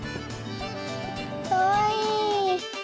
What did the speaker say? かわいい。